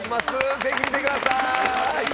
ぜひ見てください。